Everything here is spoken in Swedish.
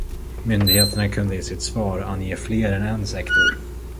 Myndigheterna kunde i sitt svar ange fler än en sektor.